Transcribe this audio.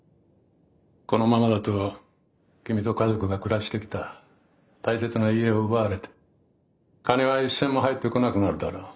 このままだと君と家族が暮らしてきた大切な家を奪われて金は一銭も入ってこなくなるだろう。